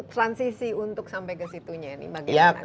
transisi untuk sampai ke situnya ini bagaimana